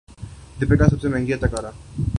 دپیکا سب سے مہنگی اداکارہ